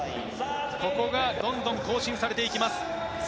ここがどんどん更新されていきます。